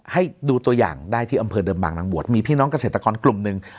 ให้ดูตัวอย่างได้ที่อำเภอเดิมบางนางบวชมีพี่น้องเกษตรกรกลุ่มหนึ่ง